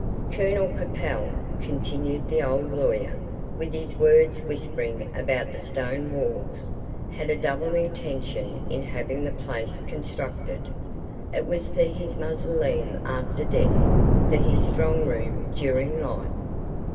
"Colonel Capel," continued the old lawyer, with his words whispering about the stone walls, "had a double intention in having the place constructed. It was for his mausoleum after death, for his strong room during life.